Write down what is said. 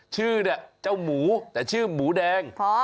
ชื่อเจ้าหมูแต่ชื่อหมูแดง